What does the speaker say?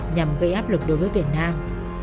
nhằm gây áp lực đối với việt nam